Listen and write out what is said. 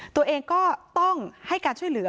ตัวเองก็ต้องให้การช่วยเหลือ